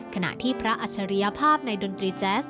ขณะที่พระอัจฉริยภาพในดนตรีแจ๊ส